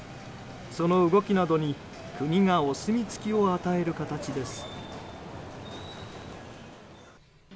その動きなどに国がお墨付きを与える形です。